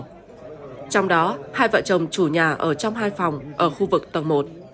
trong đó hai vợ chồng chủ nhà ở trong hai phòng ở khu vực tầng một